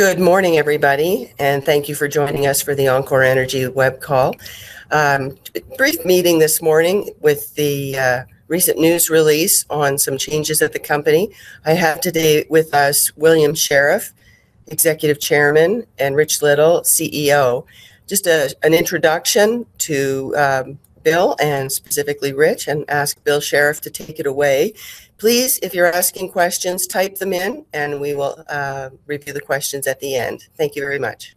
Good morning, everybody, and thank you for joining us for the enCore Energy web call. Brief meeting this morning with the recent news release on some changes at the company. I have today with us William M. Sheriff, Executive Chairman, and Rich Little, CEO. Just an introduction to Bill and specifically Rich, and ask Bill Sheriff to take it away. Please, if you're asking questions, type them in and we will review the questions at the end. Thank you very much.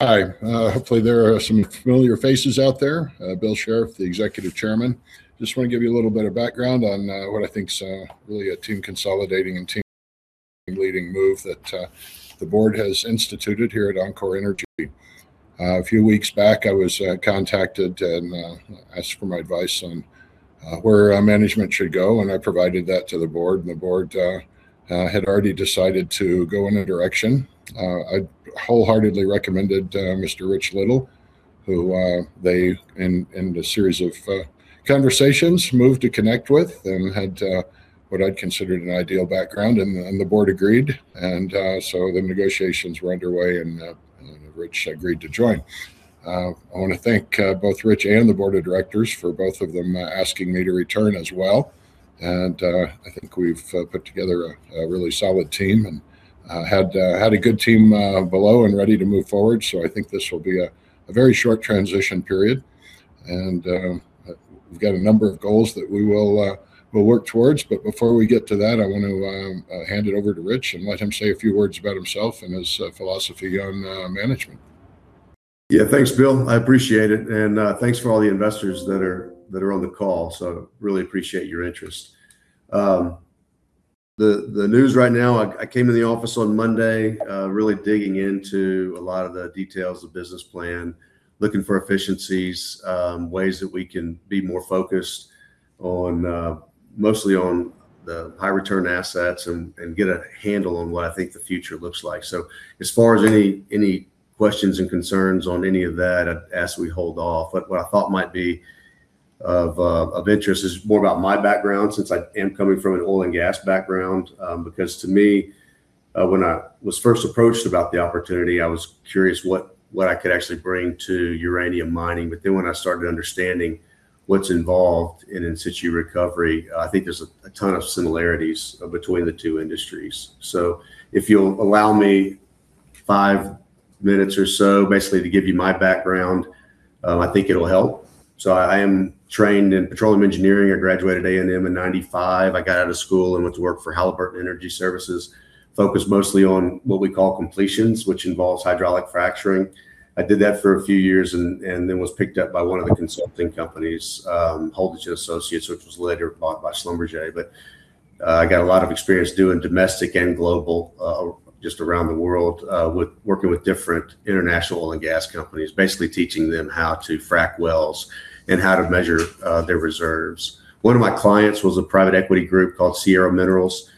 Hi. Hopefully, there are some familiar faces out there. Bill Sheriff, the Executive Chairman. Just want to give you a little bit of background on what I think is really a team consolidating and team leading move that the board has instituted here at enCore Energy. A few weeks back, I was contacted and asked for my advice on where management should go, and I provided that to the board, and the board had already decided to go in a direction. I wholeheartedly recommended Mr. Rich Little, who they, in a series of conversations, moved to connect with and had what I'd considered an ideal background, and the board agreed. The negotiations were underway, and Rich agreed to join. I want to thank both Rich and the board of directors for both of them asking me to return as well. I think we've put together a really solid team and had a good team below and ready to move forward. I think this will be a very short transition period. We've got a number of goals that we will work towards. Before we get to that, I want to hand it over to Rich and let him say a few words about himself and his philosophy on management. Yeah. Thanks, Bill, I appreciate it. Thanks for all the investors that are on the call. Really appreciate your interest. The news right now, I came to the office on monday, really digging into a lot of the details of business plan, looking for efficiencies, ways that we can be more focused mostly on the high return assets and get a handle on what I think the future looks like. As far as any questions and concerns on any of that, I'd ask we hold off. What I thought might be of interest is more about my background since I am coming from an oil and gas background. Because to me, when I was first approached about the opportunity, I was curious what I could actually bring to uranium mining. When I started understanding what's involved in in situ recovery, I think there's a ton of similarities between the two industries. If you'll allow me five minutes or so, basically to give you my background, I think it'll help. I am trained in petroleum engineering. I graduated from A&M in 1995. I got out of school and went to work for Halliburton Energy Services, focused mostly on what we call completions, which involves hydraulic fracturing. I did that for a few years and then was picked up by one of the consulting companies, Holditch-Reservoir Technologies, which was later bought by Schlumberger. I got a lot of experience doing domestic and global, just around the world, working with different international oil and gas companies, basically teaching them how to frack wells and how to measure their reserves. One of my clients was a private equity group called Sierra Minerals.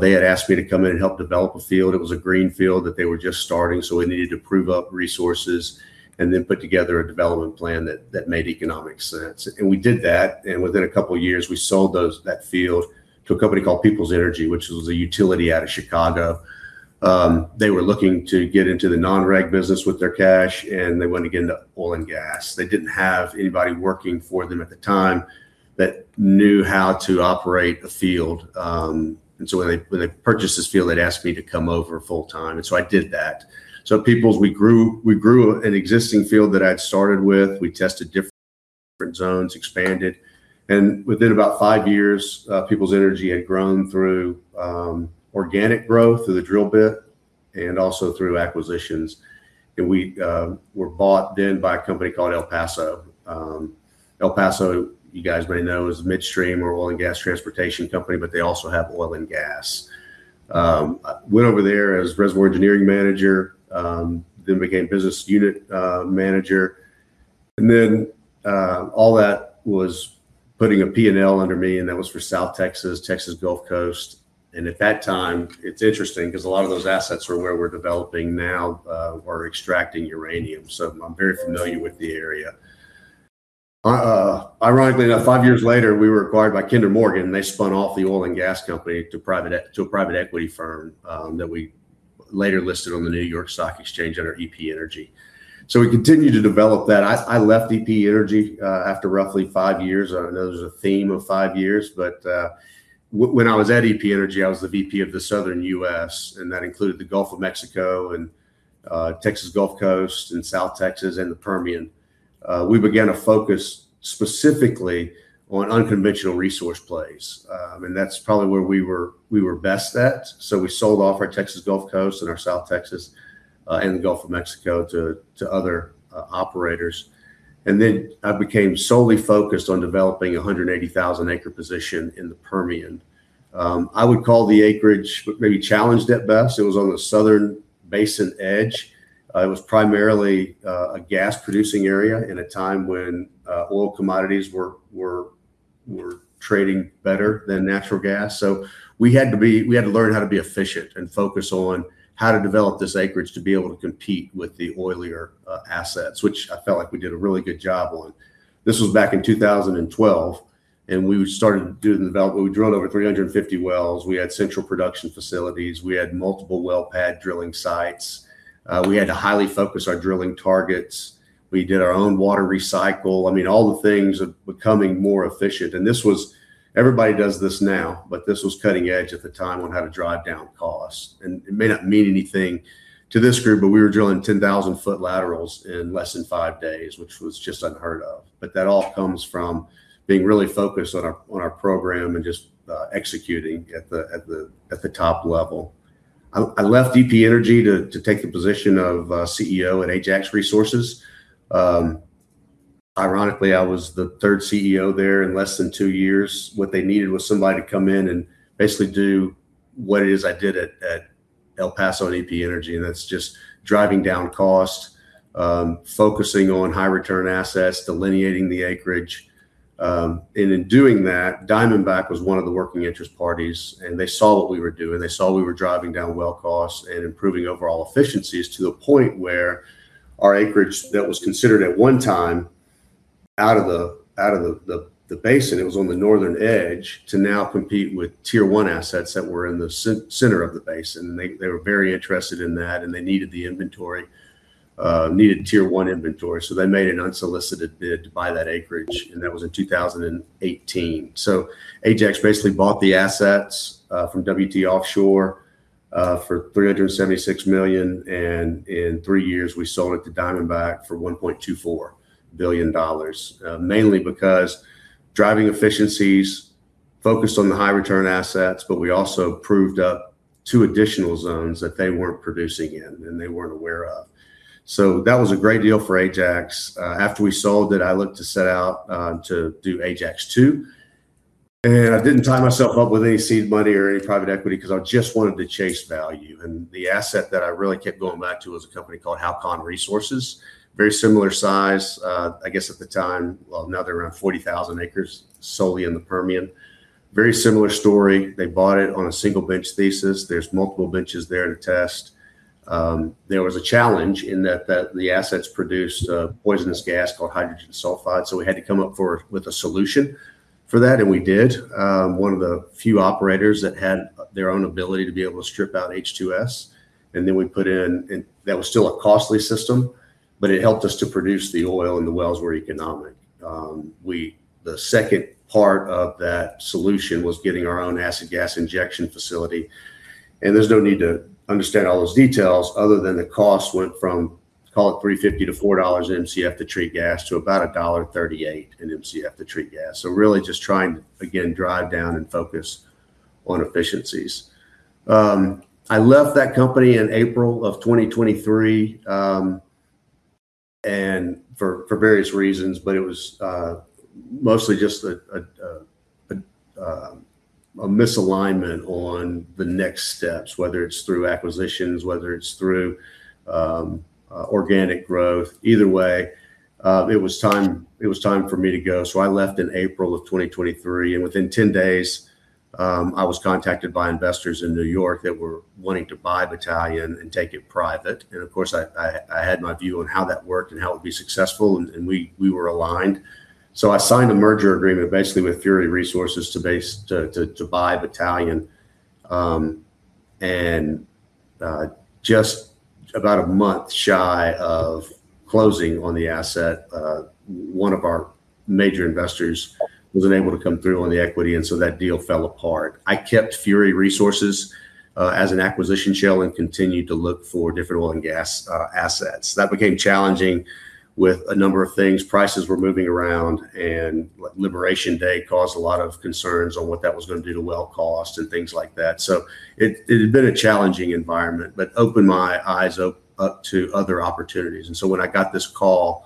They had asked me to come in and help develop a field. It was a green field that they were just starting, so we needed to prove up resources and then put together a development plan that made economic sense. We did that, and within a couple of years, we sold that field to a company called Peoples Energy, which was a utility out of Chicago. They were looking to get into the non-reg business with their cash, and they wanted to get into oil and gas. They didn't have anybody working for them at the time that knew how to operate a field. When they purchased this field, they'd asked me to come over full time, and so I did that. At Peoples, we grew an existing field that I'd started with. We tested different zones, expanded, and within about five years, Peoples Energy had grown through organic growth through the drill bit and also through acquisitions. We were bought then by a company called El Paso. El Paso, you guys may know, is a midstream or oil and gas transportation company, but they also have oil and gas. Went over there as reservoir engineering manager, then became business unit manager, and then all that was putting a P&L under me, and that was for South Texas Gulf Coast. At that time, it's interesting because a lot of those assets are where we're developing now or extracting uranium. I'm very familiar with the area. Ironically, five years later, we were acquired by Kinder Morgan, and they spun off the oil and gas company to a private equity firm, that we later listed on the New York Stock Exchange under EP Energy. We continued to develop that. I left EP Energy after roughly five years. I know there's a theme of five years, but when I was at EP Energy, I was the VP of the Southern U.S., and that included the Gulf of Mexico and Texas Gulf Coast and South Texas and the Permian. We began to focus specifically on unconventional resource plays, and that's probably where we were best at. We sold off our Texas Gulf Coast and our South Texas and the Gulf of Mexico to other operators. Then I became solely focused on developing 180,000-acre position in the Permian. I would call the acreage maybe challenged at best. It was on the southern basin edge. It was primarily a gas-producing area in a time when oil commodities were trading better than natural gas. We had to learn how to be efficient and focus on how to develop this acreage to be able to compete with the oilier assets, which I felt like we did a really good job on. This was back in 2012. We started doing the development. We drilled over 350 wells. We had central production facilities. We had multiple well pad drilling sites. We had to highly focus our drilling targets. We did our own water recycle. All the things of becoming more efficient. Everybody does this now, but this was cutting edge at the time on how to drive down costs. It may not mean anything to this group, but we were drilling 10,000-foot laterals in less than five days, which was just unheard of. That all comes from being really focused on our program and just executing at the top level. I left EP Energy to take the position of CEO at Ajax Resources. Ironically, I was the third CEO there in less than two years. What they needed was somebody to come in and basically do what it is I did at El Paso and EP Energy, and that's just driving down costs, focusing on high return assets, delineating the acreage. In doing that, Diamondback was one of the working interest parties, and they saw what we were doing. They saw we were driving down well costs and improving overall efficiencies to the point where our acreage that was considered at one time out of the basin, it was on the northern edge, to now compete with tier one assets that were in the center of the basin. They were very interested in that and they needed the inventory, needed tier one inventory. They made an unsolicited bid to buy that acreage, and that was in 2018. Ajax basically bought the assets from W&T Offshore for $376 million, and in three years we sold it to Diamondback for $1.24 billion, mainly because driving efficiencies, focused on the high return assets, but we also proved up two additional zones that they weren't producing in and they weren't aware of. That was a great deal for Ajax. After we sold it, I looked to set out to do Ajax 2, and I didn't tie myself up with any seed money or any private equity because I just wanted to chase value. The asset that I really kept going back to was a company called Halcon Resources. Very similar size. I guess at the time, well another around 40,000 acres solely in the Permian. Very similar story. They bought it on a single bench thesis. There's multiple benches there to test. There was a challenge in that the assets produced a poisonous gas called hydrogen sulfide, so we had to come up with a solution for that, and we did. One of the few operators that had their own ability to be able to strip out H2S. That was still a costly system, but it helped us to produce the oil and the wells were economic. The second part of that solution was getting our own acid gas injection facility. There's no need to understand all those details other than the cost went from, call it $3.50-$4/MCF to treat gas, to about $1.38 per MCF to treat gas. Really just trying to, again, drive down and focus on efficiencies. I left that company in April of 2023, and for various reasons, but it was mostly just a misalignment on the next steps, whether it's through acquisitions, whether it's through organic growth. Either way, it was time for me to go. I left in April of 2023, and within 10 days I was contacted by investors in New York that were wanting to buy Battalion and take it private. Of course, I had my view on how that worked and how it would be successful, and we were aligned. I signed a merger agreement basically with Fury Resources to buy Battalion. Just about a month shy of closing on the asset, one of our major investors wasn't able to come through on the equity, and so that deal fell apart. I kept Fury Resources as an acquisition shell and continued to look for different oil and gas assets. That became challenging with a number of things. Prices were moving around, and Liberation Day caused a lot of concerns on what that was going to do to well costs and things like that. It had been a challenging environment, but opened my eyes up to other opportunities. When I got this call,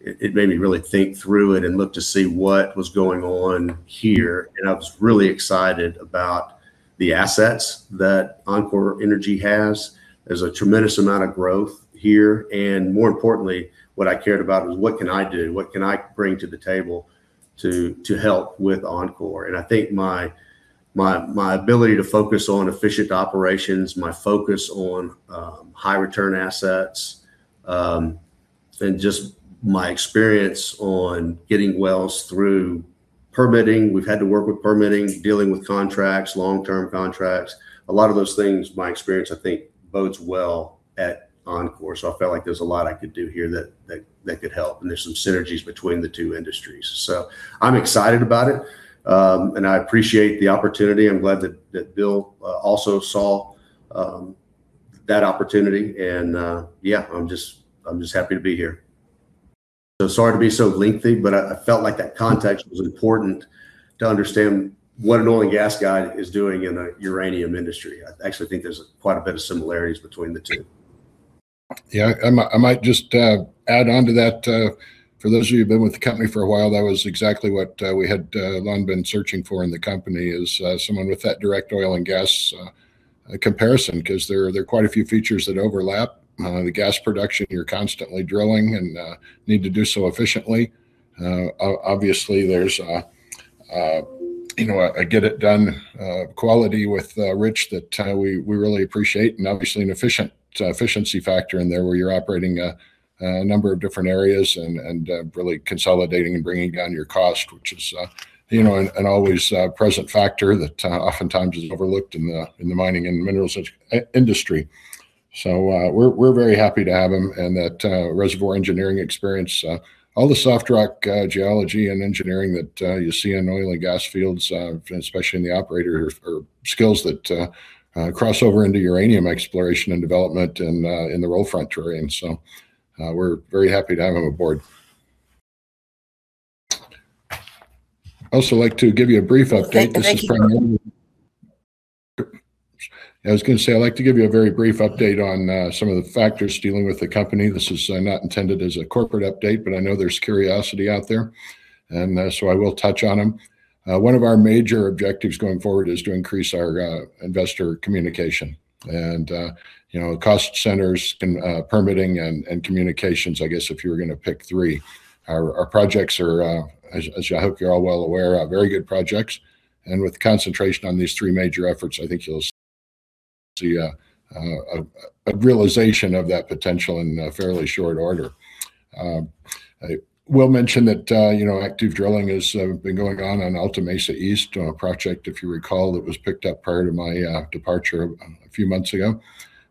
it made me really think through it and look to see what was going on here. I was really excited about the assets that enCore Energy has. There's a tremendous amount of growth here, and more importantly, what I cared about was what can I do? What can I bring to the table to help with enCore? I think my ability to focus on efficient operations, my focus on high return assets, and just my experience on getting wells through permitting. We've had to work with permitting, dealing with contracts, long-term contracts. A lot of those things, my experience, I think bodes well at enCore. I felt like there was a lot I could do here that could help, and there's some synergies between the two industries. I'm excited about it. I appreciate the opportunity. I'm glad that Bill also saw that opportunity, and yeah, I'm just happy to be here. Sorry to be so lengthy, but I felt like that context was important to understand what an oil and gas guy is doing in a uranium industry. I actually think there's quite a bit of similarities between the two. Yeah, I might just add onto that. For those of you who've been with the company for a while, that was exactly what we had long been searching for in the company is someone with that direct oil and gas comparison because there are quite a few features that overlap. The gas production, you're constantly drilling and need to do so efficiently. Obviously there's a get-it-done quality with Rich that we really appreciate. Obviously an efficiency factor in there where you're operating a number of different areas and really consolidating and bringing down your cost, which is an always present factor that oftentimes is overlooked in the mining and minerals industry. We're very happy to have him and that reservoir engineering experience all the soft rock geology and engineering that you see in oil and gas fields, especially in the operator skills that cross over into uranium exploration and development and in the roll-front terrain. We're very happy to have him aboard. I'd also like to give you a brief update. Okay. Thank you. I was going to say, I'd like to give you a very brief update on some of the factors dealing with the company. This is not intended as a corporate update, but I know there's curiosity out there, and so I will touch on them. One of our major objectives going forward is to increase our investor communication and cost centers and permitting and communications, I guess, if you were going to pick three. Our projects are, as I hope you're all well aware, very good projects, and with concentration on these three major efforts, I think you'll see a realization of that potential in fairly short order. I will mention that active drilling has been going on Alta Mesa East project, if you recall, that was picked up prior to my departure a few months ago.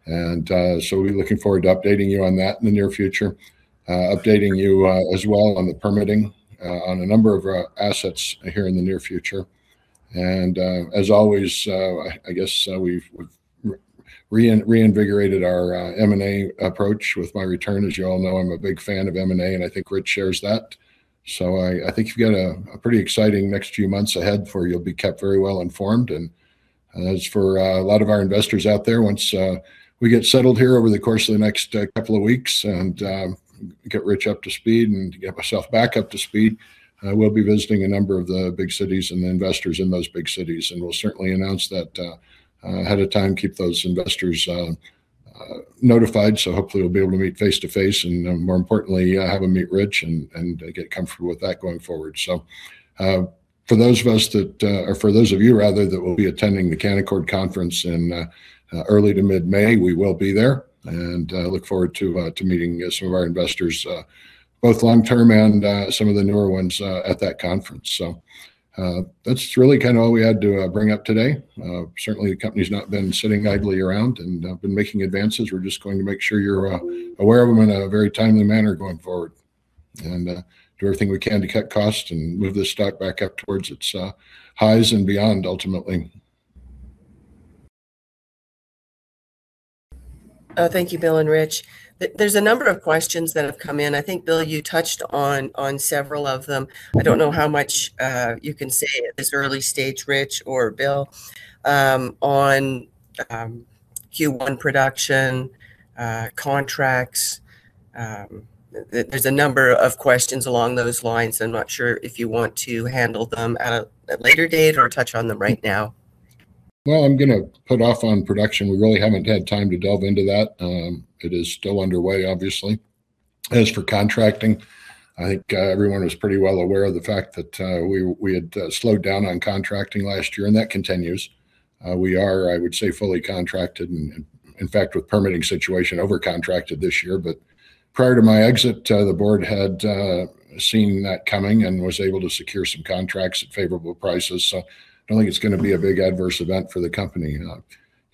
We're looking forward to updating you on that in the near future. Updating you as well on the permitting on a number of assets here in the near future. As always I guess we've reinvigorated our M&A approach with my return. As you all know, I'm a big fan of M&A, and I think Rich shares that. I think you've got a pretty exciting next few months ahead for you. You'll be kept very well informed. As for a lot of our investors out there, once we get settled here over the course of the next couple of weeks and get Rich up to speed and get myself back up to speed, we'll be visiting a number of the big cities and the investors in those big cities, and we'll certainly announce that ahead of time, keep those investors notified. Hopefully we'll be able to meet face-to-face and more importantly, have them meet Rich and get comfortable with that going forward. For those of you rather, that will be attending the Canaccord conference in early to mid-May, we will be there and look forward to meeting some of our investors both long-term and some of the newer ones at that conference. That's really all we had to bring up today. Certainly, the company's not been sitting idly around and been making advances. We're just going to make sure you're aware of them in a very timely manner going forward and do everything we can to cut costs and move this stock back up towards its highs and beyond ultimately. Thank you, Bill and Rich. There's a number of questions that have come in. I think, Bill, you touched on several of them. I don't know how much you can say at this early stage, Rich or Bill, on Q1 production, contracts. There's a number of questions along those lines. I'm not sure if you want to handle them at a later date or touch on them right now. Well, I'm going to put off on production. We really haven't had time to delve into that. It is still underway, obviously. As for contracting, I think everyone is pretty well aware of the fact that we had slowed down on contracting last year, and that continues. We are, I would say, fully contracted, and in fact, with permitting situation over contracted this year. Prior to my exit, the board had seen that coming and was able to secure some contracts at favorable prices. I don't think it's going to be a big adverse event for the company.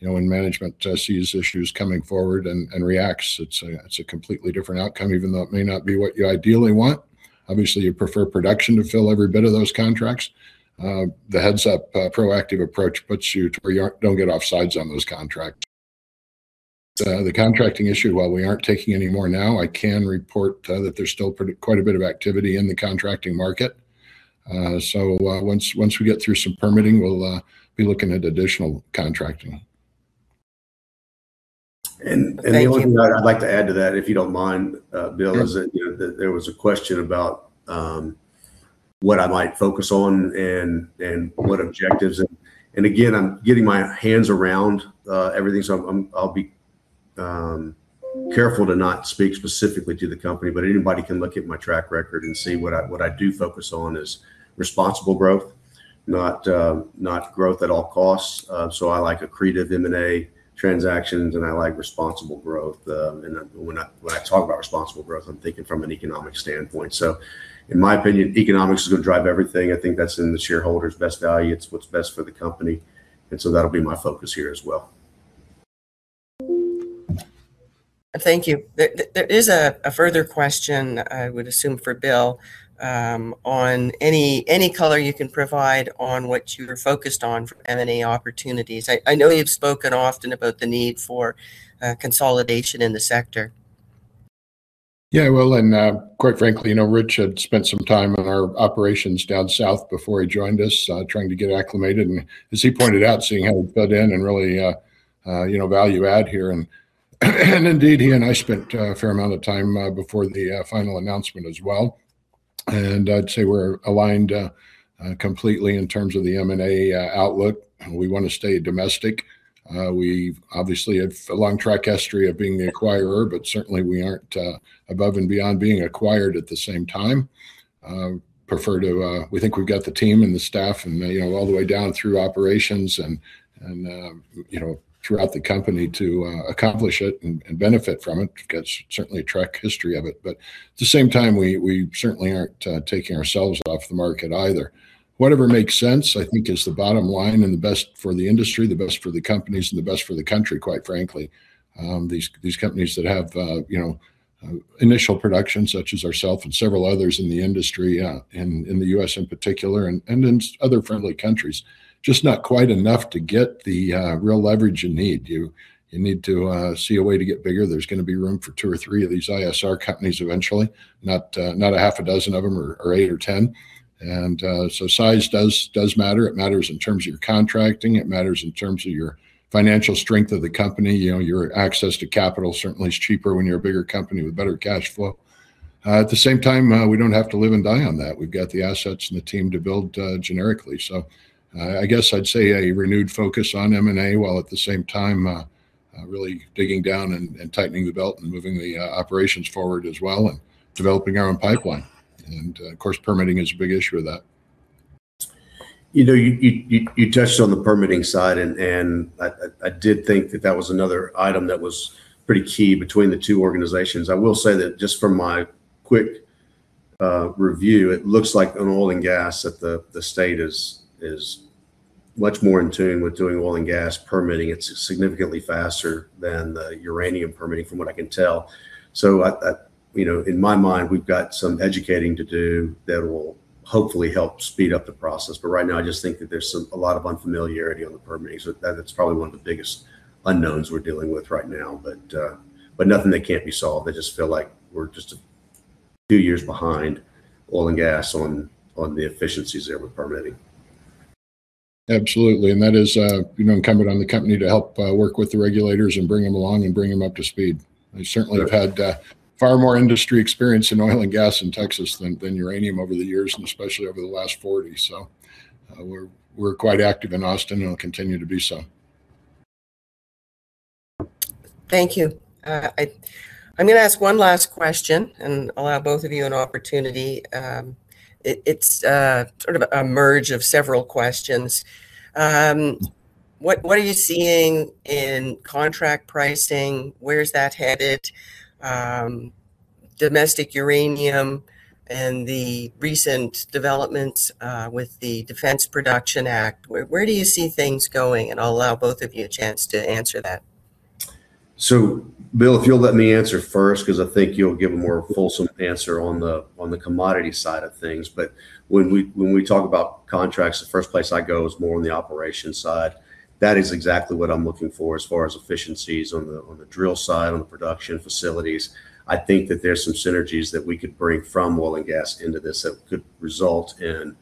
When management sees issues coming forward and reacts, it's a completely different outcome, even though it may not be what you ideally want. Obviously, you prefer production to fill every bit of those contracts. The heads up proactive approach puts you to where you don't get offsides on those contracts. The contracting issue, while we aren't taking any more now, I can report that there's still quite a bit of activity in the contracting market. Once we get through some permitting, we'll be looking at additional contracting. Thank you. The only thing I'd like to add to that, if you don't mind, Bill, is that there was a question about what I might focus on and what objectives. Again, I'm getting my hands around everything. I'll be careful to not speak specifically to the company, but anybody can look at my track record and see what I do focus on is responsible growth, not growth at all costs. I like accretive M&A transactions, and I like responsible growth. When I talk about responsible growth, I'm thinking from an economic standpoint. In my opinion, economics is going to drive everything. I think that's in the shareholders' best value. It's what's best for the company, and so that'll be my focus here as well. Thank you. There is a further question I would assume for Bill on any color you can provide on what you are focused on for M&A opportunities. I know you've spoken often about the need for consolidation in the sector. Yeah. Well, quite frankly Rich had spent some time in our operations down south before he joined us trying to get acclimated, and as he pointed out, seeing how to fit in and really value add here, and indeed, he and I spent a fair amount of time before the final announcement as well, and I'd say we're aligned completely in terms of the M&A outlook. We want to stay domestic. We obviously have a long track history of being the acquirer, but certainly we aren't above and beyond being acquired at the same time. We think we've got the team and the staff, and all the way down through operations and throughout the company to accomplish it and benefit from it. We've got certainly a track history of it. At the same time, we certainly aren't taking ourselves off the market either. Whatever makes sense, I think is the bottom line, and the best for the industry, the best for the companies, and the best for the country, quite frankly. These companies that have initial production, such as ourselves and several others in the industry, in the U.S. in particular, and in other friendly countries, just not quite enough to get the real leverage you need. You need to see a way to get bigger. There's going to be room for two or three of these ISR companies eventually, not six of them or eight or 10. Size does matter. It matters in terms of your contracting. It matters in terms of your financial strength of the company. Your access to capital certainly is cheaper when you're a bigger company with better cash flow. At the same time, we don't have to live and die on that. We've got the assets and the team to build generically. I guess I'd say a renewed focus on M&A, while at the same time really digging down and tightening the belt and moving the operations forward as well and developing our own pipeline, and of course, permitting is a big issue with that. You touched on the permitting side, and I did think that was another item that was pretty key between the two organizations. I will say that just from my quick review, it looks like on oil and gas that the state is much more in tune with doing oil and gas permitting. It's significantly faster than the uranium permitting, from what I can tell. In my mind, we've got some educating to do that will hopefully help speed up the process. Right now, I just think that there's a lot of unfamiliarity on the permitting, so that's probably one of the biggest unknowns we're dealing with right now. Nothing that can't be solved. I just feel like we're just a few years behind oil and gas on the efficiencies there with permitting. Absolutely, that is incumbent on the company to help work with the regulators and bring them along and bring them up to speed. They certainly have had far more industry experience in oil and gas in Texas than uranium over the years, and especially over the last 40. We're quite active in Austin and will continue to be so. Thank you. I'm going to ask one last question and allow both of you an opportunity. It's sort of a merge of several questions. What are you seeing in contract pricing? Where's that headed? Domestic uranium and the recent developments with the Defense Production Act, where do you see things going? I'll allow both of you a chance to answer that. Bill, if you'll let me answer first because I think you'll give a more fulsome answer on the commodity side of things. When we talk about contracts, the first place I go is more on the operations side. That is exactly what I'm looking for as far as efficiencies on the drill side, on the production facilities. I think that there's some synergies that we could bring from oil and gas into this that could result in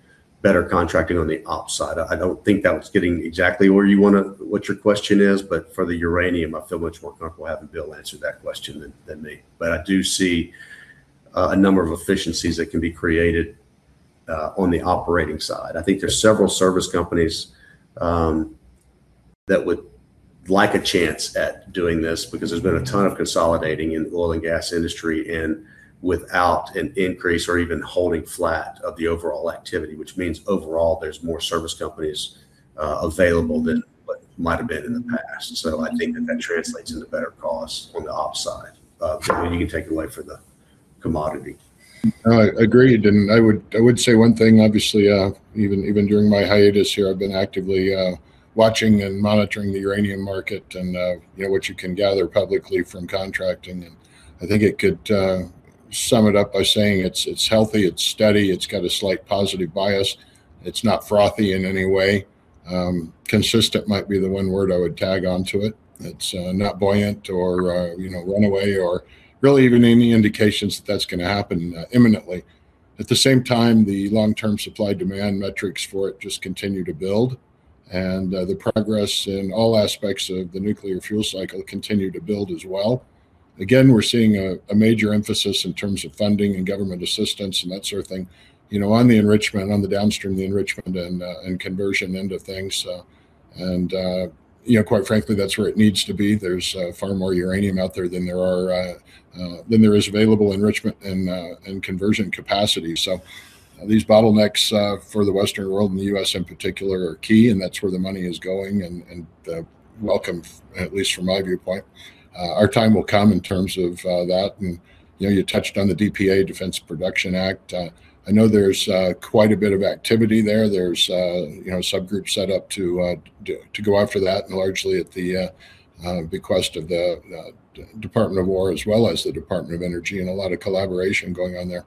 better contracting on the ops side. I don't think that was getting exactly what your question is, but for the uranium, I feel much more comfortable having Bill answer that question than me. I do see a number of efficiencies that can be created on the operating side. I think there's several service companies that would like a chance at doing this because there's been a ton of consolidating in the oil and gas industry and without an increase or even holding flat of the overall activity, which means overall there's more service companies available than might have been in the past. I think that translates into better costs on the ops side. I mean, you can take it away for the commodity. Agreed. I would say one thing, obviously even during my hiatus here, I've been actively watching and monitoring the uranium market and what you can gather publicly from contracting, and I think I could sum it up by saying it's healthy, it's steady, it's got a slight positive bias. It's not frothy in any way. Consistent might be the one word I would tag onto it. It's not buoyant or runaway or really even any indications that that's going to happen imminently. At the same time, the long-term supply-demand metrics for it just continue to build, and the progress in all aspects of the nuclear fuel cycle continue to build as well. Again, we're seeing a major emphasis in terms of funding and government assistance and that sort of thing on the enrichment, on the downstream, the enrichment and conversion end of things. Quite frankly, that's where it needs to be. There's far more uranium out there than there is available enrichment and conversion capacity. These bottlenecks for the Western world and the U.S. in particular are key, and that's where the money is going and welcome, at least from my viewpoint. Our time will come in terms of that, and you touched on the DPA, Defense Production Act. I know there's quite a bit of activity there. There's a subgroup set up to go after that, and largely at the behest of the Department of Defense, as well as the Department of Energy, and a lot of collaboration going on there.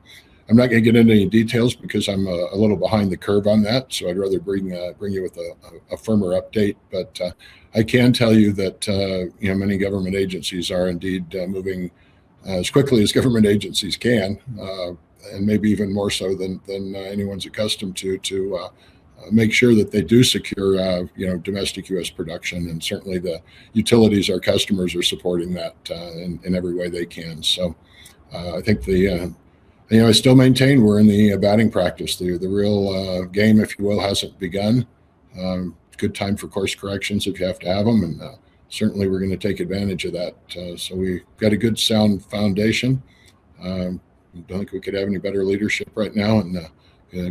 I'm not going to get into any details because I'm a little behind the curve on that. I'd rather provide you with a firmer update. I can tell you that many government agencies are indeed moving as quickly as government agencies can and maybe even more so than anyone's accustomed to make sure that they do secure domestic U.S. production, and certainly the utilities, our customers, are supporting that in every way they can. I think I still maintain we're in the batting practice. The real game, if you will, hasn't begun. Good time for course corrections if you have to have them, and certainly we're going to take advantage of that. We've got a good, sound foundation. I don't think we could have any better leadership right now, and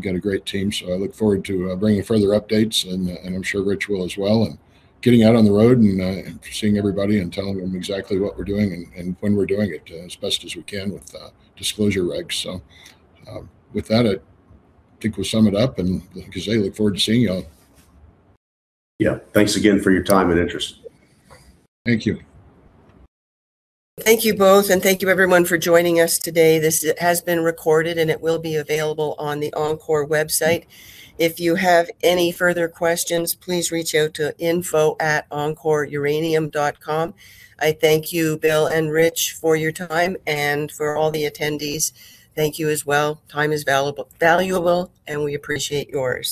got a great team, so I look forward to bringing further updates and I'm sure Rich will as well, and getting out on the road and seeing everybody and telling them exactly what we're doing and when we're doing it, as best as we can with disclosure regs. With that, I think we'll sum it up, and like I say, look forward to seeing you all. Yeah. Thanks again for your time and interest. Thank you. Thank you both, and thank you everyone for joining us today. This has been recorded, and it will be available on the enCore website. If you have any further questions, please reach out to info@encoreuranium.com. I thank you, Bill and Rich, for your time, and for all the attendees, thank you as well. Time is valuable, and we appreciate yours.